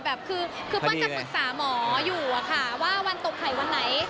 แบบคือเปิ้ลจะปรึกษาหมออยู่อะค่ะว่าวันตกไข่วันไหน